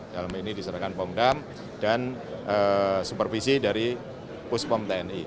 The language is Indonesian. dalam ini diserahkan pomdam dan supervisi dari puspom tni